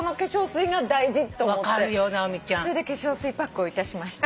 それで化粧水パックをいたしました。